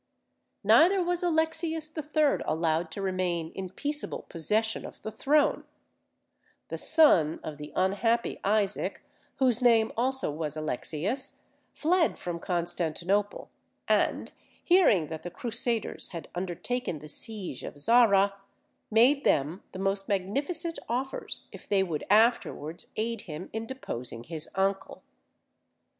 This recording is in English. Neither was Alexius III. allowed to remain in peaceable possession of the throne; the son of the unhappy Isaac, whose name also was Alexius, fled from Constantinople, and hearing that the Crusaders had undertaken the siege of Zara, made them the most magnificent offers if they would afterwards aid him in deposing his uncle.